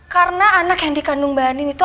karena anak yang dikandung mba andin itu